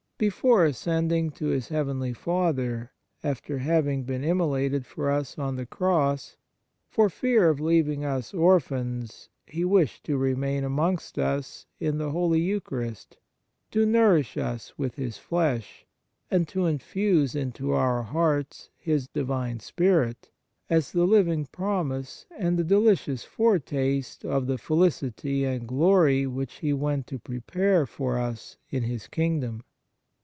Before ascending to His heavenly Father, after having been immolated for us on the Cross, for fear of leaving us orphans, He wished to remain amongst us in the Holy Eucharist, to nourish us with His flesh, and to infuse into our hearts His Divine Spirit as the living promise and the delicious foretaste of the felicity and glory which He went to prepare for us in His kingdom.